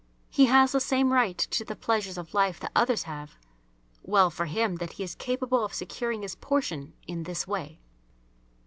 He has the same right to the pleasures of life that others have. Well for him that he is capable of securing his portion in this way!